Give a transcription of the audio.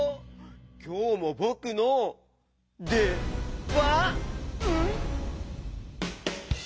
きょうもぼくのでばん？